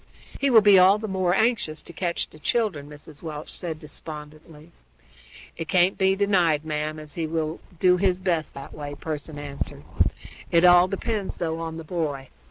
"He will be all the more anxious to catch the children," Mrs. Welch said despondently. "It can't be denied, ma'am, as he will do his best that way," Pearson answered. "It all depends, though, on the boy.